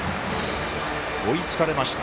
追いつかれました。